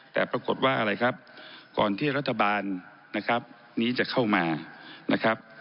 แต่ปรากฏว่าอะไรครับก่อนที่รัฐบาลนะครับนี้จะเข้ามานะครับ